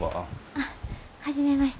あっ初めまして。